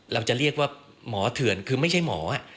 เราจะเรียกว่าหมอเถื่อนคือไม่ใช่หมอ